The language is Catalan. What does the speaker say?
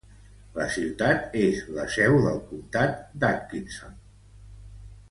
La ciutat és la seu del Comtat d'Atkinson.